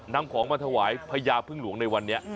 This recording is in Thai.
นำของมาถวายพญาพึ่งหลวงในวันนี้